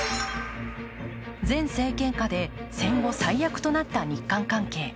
前政権下で戦後最悪となった日韓関係。